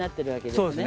そうですね。